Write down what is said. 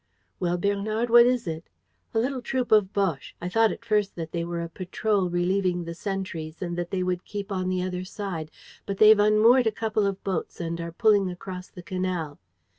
"Well, Bernard, what is it?" "A little troop of Boches. ... I thought at first that they were a patrol, relieving the sentries, and that they would keep on the other side. But they've unmoored a couple of boats and are pulling across the canal."